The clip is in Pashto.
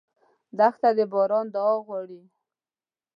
دښته د باران دعا غواړي.